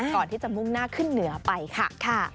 ก่อนที่จะมุ่งหน้าขึ้นเหนือไปค่ะ